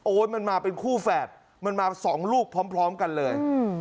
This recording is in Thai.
มันมาเป็นคู่แฝดมันมา๒ลูกพร้อมกันเลย